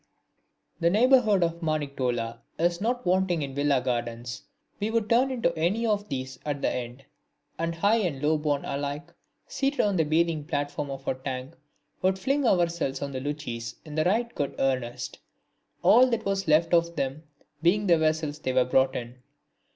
The neighbourhood of Maniktola is not wanting in Villa gardens. We would turn into any one of these at the end, and high and low born alike, seated on the bathing platform of a tank, would fling ourselves on the luchis in right good earnest, all that was left of them being the vessels they were brought in.